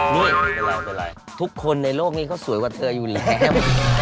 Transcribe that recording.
นี่ทุกคนในโลกนี้เขาสวยกว่าเธออยู่แล้ว